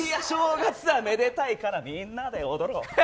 正月はめでたいからみんなで踊ろう。